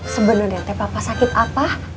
sebenernya teh papa sakit apa